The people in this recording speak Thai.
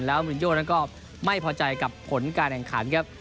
แล้วมินโยนั้นก็ไม่พอใจกับผลการแข่งขันครับ